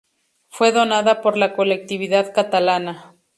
Fue donada por la Colectividad Catalana.